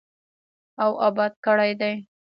او اباد کړی دی.